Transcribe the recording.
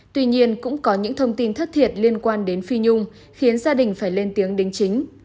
tuy nhiên cũng có những thông tin thất thiệt liên quan đến phi nhung khiến gia đình phải lên tiếng đính chính